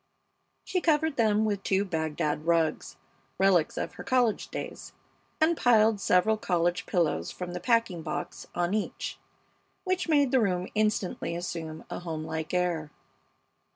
She covered them with two Bagdad rugs, relics of her college days, and piled several college pillows from the packing box on each, which made the room instantly assume a homelike air.